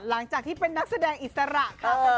หลังจากที่เป็นนักแสดงอิสระค่ะ